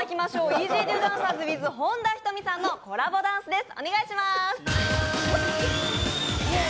イージードゥダンサーズｗｉｔｈ本田仁美さんのコラボダンスです。